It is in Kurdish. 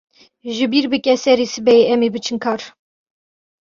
Ji bîr bike, serê sibehê em ê biçin kar.